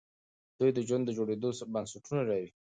دوی د ژوند د جوړېدو بنسټونه لري.